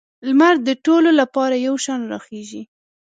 لمر د ټولو لپاره یو شان راخیږي.